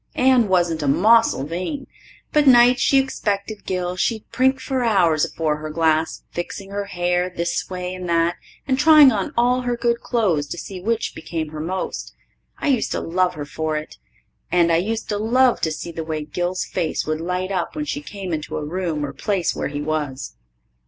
Anne wasn't a mossel vain, but nights she expected Gil she'd prink for hours afore her glass, fixing her hair this way and that, and trying on all her good clothes to see which become her most. I used to love her for it. And I used to love to see the way Gil's face would light up when she came into a room or place where he was.